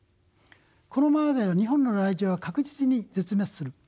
このままでは日本のライチョウは確実に絶滅する。